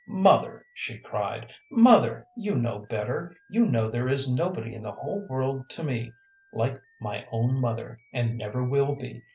"Mother," she cried "mother, you know better, you know there is nobody in the whole world to me like my own mother, and never will be.